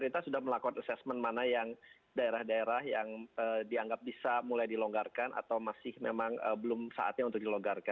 dan ya kan tentunya pemerintah sudah melakukan assessment mana yang daerah daerah yang dianggap bisa mulai dilonggarkan atau masih memang belum saatnya untuk dilonggarkan